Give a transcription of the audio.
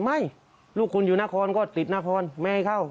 ไม่ลูกคุณอยู่นครก็ติดนครไม่ให้เข้า